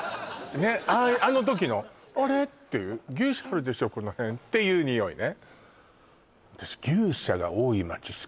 ねっあの時の「あれ？」っていう「牛舎あるでしょこの辺」っていうニオイね